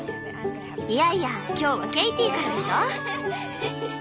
いやいや今日はケイティからでしょ。